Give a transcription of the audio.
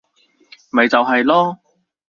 咪就係囉